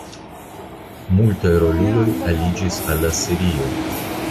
Multaj roluloj aliĝis al la serio.